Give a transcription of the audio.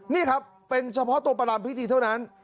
นี่ครับเป็นเฉพาะตัวประรำพิธีเท่านั้น